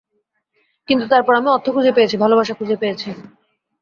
কিন্তু তারপর আমি অর্থ খুঁজে পেয়েছি, ভালোবাসা খুঁজে পেয়েছি।